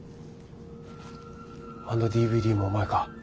あのＤＶＤもお前か。